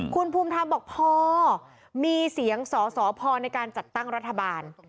คุณภูมิธรรมบอกพอมีเสียงสอสอพอในการจัดตั้งรัฐบาล